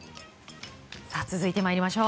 続いて参りましょう。